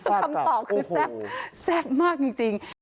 คำตอบคือเสภมากจริง